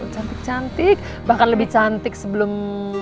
cantik cantik bahkan lebih cantik sebelum